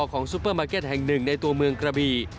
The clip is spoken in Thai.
ซูเปอร์มาร์เก็ตแห่งหนึ่งในตัวเมืองกระบี